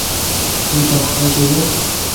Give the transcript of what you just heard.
يو دروازو جريووَ